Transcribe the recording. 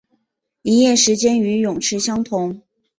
营业时间与泳池相同。